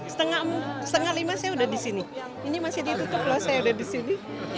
setengah lima saya udah disini ini masih ditutup loh saya udah disini